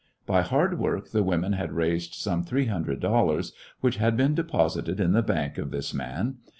By hard work the women had raised some three hundred dollarSj which had been deposited in the bank of this man.